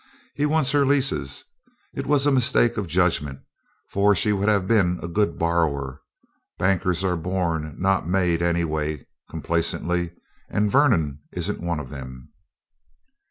He wants her leases. It was a mistake of judgment, for she would have been a good borrower. Bankers are born, not made, anyway," complacently, "and Vernon isn't one of them."